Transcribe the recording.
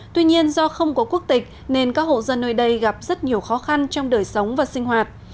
tuy nhiên do không có quốc tịch nên các hộ dân nơi đây gặp rất nhiều khó khăn trong đời sống và sinh hoạt